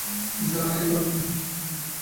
নিসার আলি তখনো ইউনিভার্সিটি থেকে ফেরেন নি।